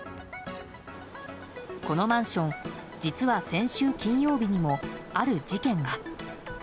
このマンション実は先週金曜日にも、ある事件が。